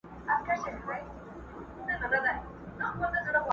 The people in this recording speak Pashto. چي له شا څخه یې خلاص د اوږو بار کړ؛